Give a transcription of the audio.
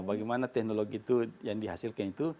bagaimana teknologi itu yang dihasilkan itu